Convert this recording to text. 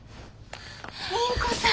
倫子さん。